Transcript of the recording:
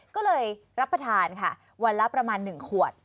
ก็เลยรับประทานค่ะวันละประมาณ๑ขวด